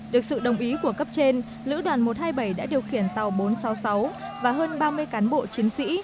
được sự đồng ý của cấp trên lữ đoàn một trăm hai mươi bảy đã điều khiển tàu bốn trăm sáu mươi sáu và hơn ba mươi cán bộ chiến sĩ